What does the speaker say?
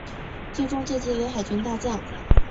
最终军阶为海军大将。